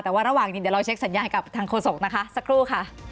แต่ว่าระหว่างนี้เดี๋ยวเราเช็คสัญญากับทางโฆษกนะคะสักครู่ค่ะ